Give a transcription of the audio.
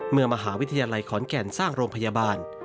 มหาวิทยาลัยขอนแก่นสร้างโรงพยาบาล